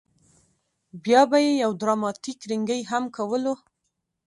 بیا به یې یو ډراماتیک رینګی هم کولو.